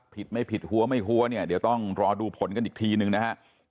ผิดไม่ผิดหัวไม่หัวเนี่ยเดี๋ยวต้องรอดูผลกันอีกทีหนึ่งนะฮะ